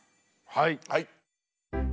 はい。